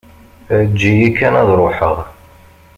Eǧǧ-iyi kan ad ṛuḥeɣ.